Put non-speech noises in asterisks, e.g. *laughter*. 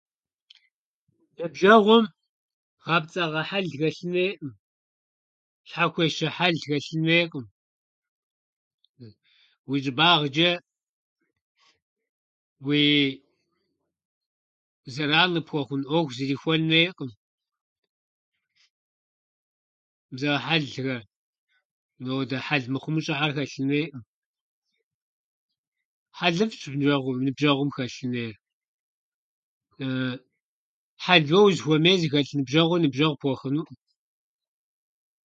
Ныбжьэгъум гъэпцӏагъэ хьэл хэлъын хуейкъым, щхьэхуещэ хьэл хэлъын хуейкъым, уи щӏыбагъчӏэ уи зэран къыпхуэхъун ӏуэху зрихуэн хуейкъым. Мис а хьэлхэр. Ахуэдэ хьэл мыхъумыщӏэхэр хэлъын хуейӏым. Хьэлыфӏщ ныбжьэгъу- ныбжьэгъум хэлъын хуейр. *hesitation* Хьэл уэ узыхуэмей зыхэлъ ныбжьэгъур ныбжьэгъу пхуэхъунукъым.